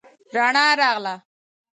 رڼا راغله.